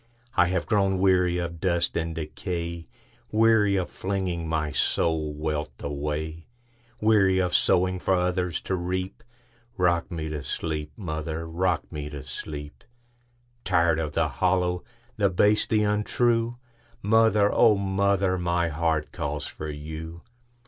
I have grown weary of dust and decay,—Weary of flinging my soul wealth away; Weary of sowing for others to reap;—Rock me to sleep, mother,—rock me to sleep! Tired of the hollow, the base, the untrue, Mother, O mother, my heart calls for you!